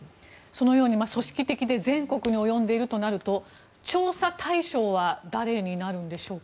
そのように、組織的で全国に及んでいるとなると調査対象は誰になるんでしょうか。